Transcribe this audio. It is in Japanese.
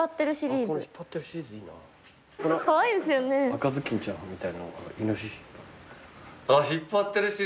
赤ずきんちゃんみたいなのがイノシシ。